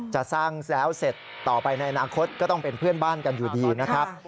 จะสร้างแล้วเสร็จต่อไปในอนาคตก็ต้องเป็นเพื่อนบ้านกันอยู่ดีนะครับ